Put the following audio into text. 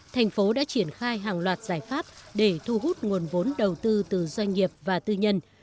thành phố đã triển khai hàng loạt giải pháp để thu hút nguồn vốn đầu tư từ doanh nghiệp và tư nhân